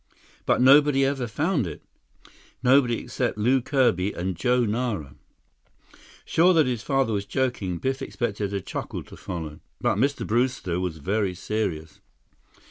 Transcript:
"But nobody ever found it!" "Nobody except Lew Kirby and Joe Nara." Sure that his father was joking, Biff expected a chuckle to follow. But Mr. Brewster was very serious.